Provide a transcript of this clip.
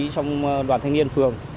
trong đoàn thanh niên phường